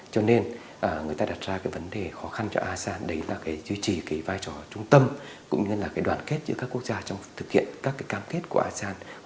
cho nên người ta đặt ra vấn đề khó khăn cho asean đấy là duy trì vai trò trung tâm cũng như đoàn kết giữa các quốc gia trong thực hiện các cam kết của asean